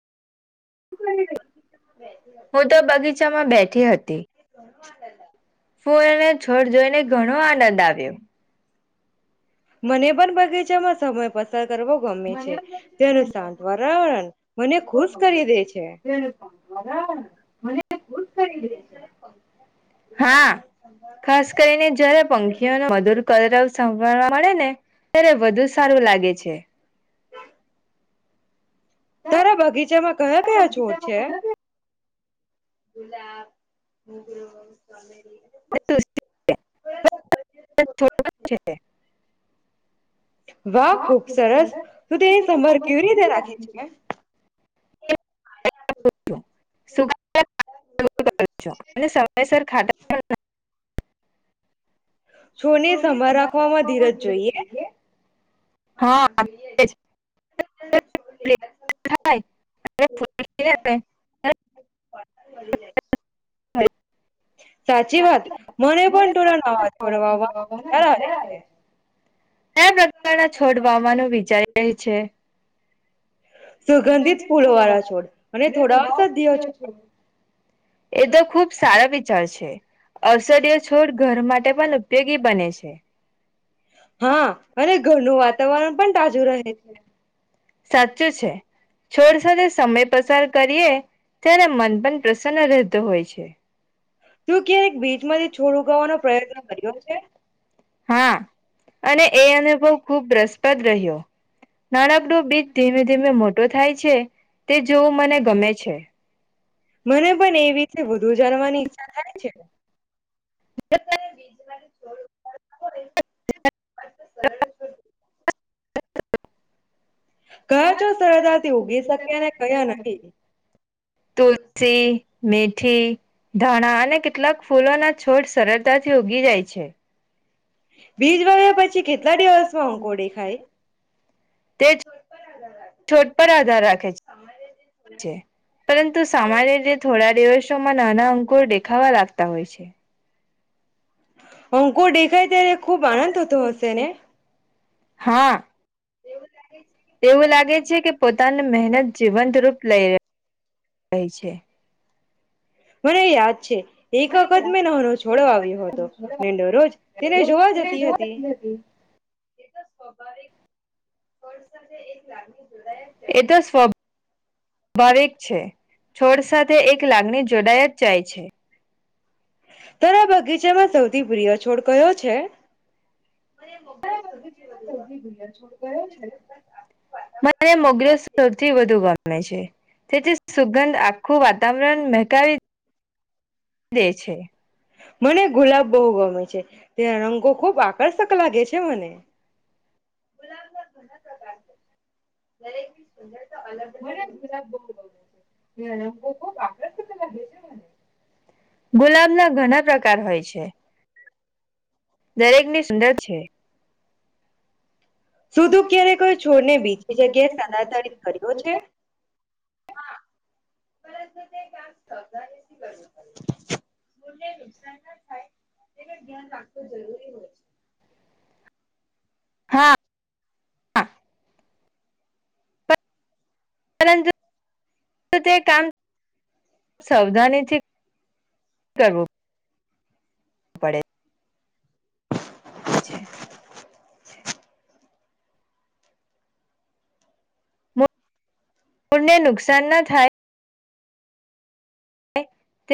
હું તો બગીચામાં બેઠી હતી. [inaudible] ફૂને છોડ જોઈને ઘણો આનંદ આવ્યો. મને પણ બગીચામાં સમય પસંદ. કરવો ગમે છે તેનું શાંત વારાવરણ. [unintelligible] [unintelligible] હા ખાસ કરીને જારે પંખીઓનો મધુર કરવ સાંભળવા. મળે ને ત્યારે વધુ સારું લાગે છે. તારે બગીચામાં. કયા કયા છોર છે. ગુલાબ [unintelligible] [inaudible] વાહ ખુબ સરસ તું તેની સમભર કેવી રીતે રાખી છ. હ. સમયસર ખા. છોડની સંભાળ જ રાખવામાં ધીરજ જોઈએ હા. એશે હ. મળી જાય છે. ક મને પણ થોડા નવા છોડ વાવવાનો વિચાર આવે છે પ્રકારના છોડ વાવાનો વિચારી છે. સુગંધિત ફૂલો વાળા છોડ અને થોડા સ દઓ છોડ. એ તો ખુબ સારા વિચાર છે અસર્ય છોડ ઘરમાં. માટે પણ ઉપયોગી બને છે. હા અને ઘરનું વાતાવરણ પણ તાજું રહે છે. સાચું છે છોડ સાથે સમય પસાર કરીએ ત્યારે. પ્રસન્ન ર. તો હોય છે. તું ક્યારેક બીચમાંથી છોડ ઉગાવાનો પ્રયત્ન કર્યો કે. હા અને એ અનુભવ ખૂબ રસપદ રહ્યો નાનકડો બીજ ધીમે ધીમે મોટો થાય છે તે જોવું મને ગમે છે. મને પણ એવીીતે વધુ જાણવાની ઈચ્છા થાય છે. જો તને બીજમાંથી જોડ હોય. આ તો સરળ. કયા છોડ સરળતાથી ઉગી શકે અને કયા નથી. તુલસી મે. છેઠ. ધાણા અને કેટલાક ફૂલોના. છોડ સરળતાથી ઉગી જાય છે. બીજ વાવ્યા પછી કેટલા દિવસમાં અઊંકો દેખાય. તે છોડપ. છોડ પર આધાર રાખે છે પરંતુ સામાન્ય રીતે થોડા દિવસ. માં નાના અંકોર દેખાવા લાગતા હોય છે. અંકુર દેખાય ત્યારે. ખુબ આનંદ થતો હશે ને? [inaudible] હા. એવું લાગે છે કે પોતાની મહેનત જીવંત રૂપ. લઈ રહી છે. મને યાદ છે. એકવખત મેં નાનો છોડો આવ્યો હતો દરરોજ તેને જોવા જતી હતી. એ તો સ્વાભાવિકર્ સાથે એક લાગણી જોડાય. એ તો સ્ સ્વાભાવિક છે છોડ સાથે એક લાગણી જોડાય જ જાય છે. તરા બગીચામાં સૌથી પ્રિય છોડ કયો છે. [unintelligible] મને મોગરો સૌથી વધુ ભાવે તેથી સુગંધ આખું વાતાવરણ મહેકાવી દે છે. મને ગુલાબ બહુ ગમે છે તેના રંગો ખુબ આકર્ષક લાગે છે મને. મને ગુલાબ બહ. [unintelligible] ગુલાબ ના ઘણા પ્રકાર હોય છે. દરેકની સુંદર છે. સુુંધું ક્યારે કોઈ છોડને બીજી જગ્યાએ સ્થળાંતરિત કર્યો છે. હા પરંતુ તે કામ કરવું પડેને નુકસાન ના થાય તે ધ્યાન રાખવું જરૂરી હોય છે. હા હા. પરંતુ તે કામ સાવધાનીથી કરવું. પડે. પછ છે. [inaudible] મૂળને નુકસાન ન થાય.